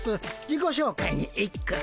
自己紹介に一句。